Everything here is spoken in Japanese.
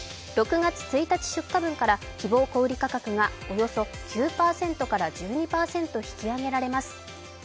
６月１日出荷分から小売希望価格がおよそ９％から１２％引き上げられます。